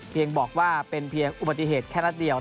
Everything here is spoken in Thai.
บอกว่าเป็นเพียงอุบัติเหตุแค่นัดเดียว